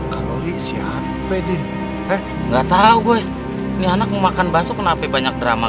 kalau siapa deh nggak tahu gue nih anak mau makan basuh kenapa banyak drama